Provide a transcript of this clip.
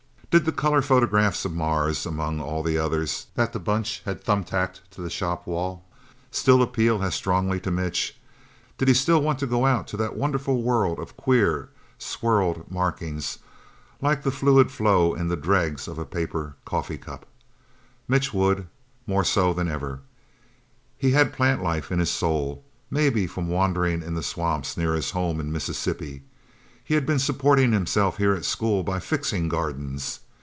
Did the color photographs of Mars, among all the others that the Bunch had thumbtacked to the shop walls, still appeal as strongly to Mitch? Did he still want to go out to that world of queer, swirled markings, like the fluid flow in the dregs of a paper coffee cup? Mitch would more so than ever. He had plant life in his soul, maybe from wandering in the swamps near his home in Mississippi. He had been supporting himself here at school by fixing gardens.